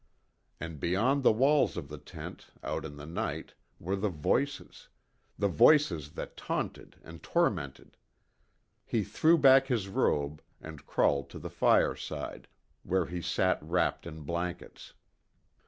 And beyond the walls of the tent out in the night were the voices the voices that taunted and tormented. He threw back his robe, and crawled to the fireside, where he sat wrapped in blankets.